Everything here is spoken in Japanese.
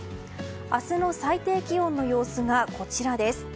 明日の最低気温の様子がこちらです。